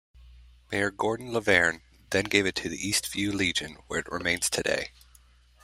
Mayor Gordon Lavergne then gave it to the Eastview Legion where it remains today.